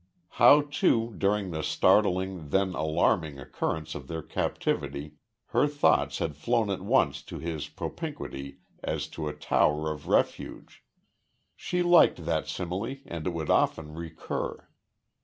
How, too, during the startling, then alarming occurrence of their captivity, her thoughts had flown at once to his propinquity as to a tower of refuge she liked that simile and it would often recur.